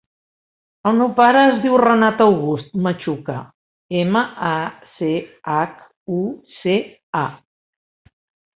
El meu pare es diu Renat August Machuca: ema, a, ce, hac, u, ce, a.